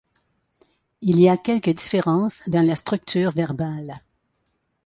Il y a quelques différences dans la structure verbale.